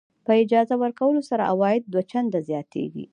په اجاره ورکولو سره عواید دوه چنده زیاتېږي.